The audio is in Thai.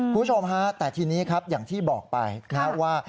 คุณผู้ชมฮะแต่ทีนี้ครับอย่างที่บอกไปนะครับว่า